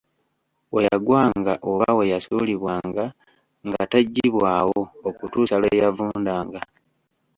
We yagwanga oba we yasuulibwanga nga teggibwawo okutuusa lwe yavundanga.